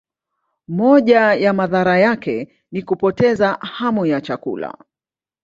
Moja ya madhara yake ni kupoteza hamu ya chakula.